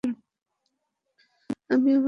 আমি আমার ছেলেদের পাঠিয়ে দিচ্ছি।